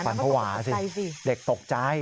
ภาวะสิเด็กตกใจ